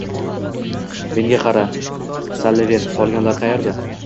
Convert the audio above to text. — Menga qara, Salliven, qolganlar qaerda?